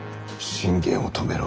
信玄を止めろ。